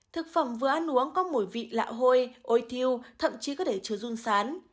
thực phẩm vừa ăn uống có mùi vị lạ hôi ôi thiêu thậm chí có thể chứa run sán